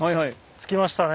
着きましたね。